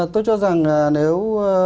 tôi cho rằng nếu